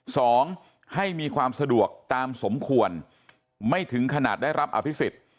สองให้มีความสะดวกตามสมควรไม่ถึงขนาดได้รับอภิษฎ